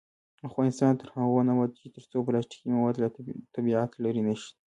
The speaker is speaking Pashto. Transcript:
افغانستان تر هغو نه ابادیږي، ترڅو پلاستیکي مواد له طبیعت لرې نشي.